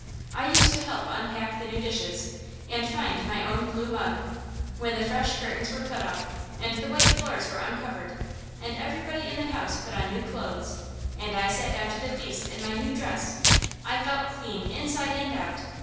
I used to help unpack the new dishes, and find my own blue mug. When the fresh curtains were put up, and the white floors were uncovered, and everybody in the house put on new clothes, and I sat down to the feast in my new dress, I felt clean inside and out.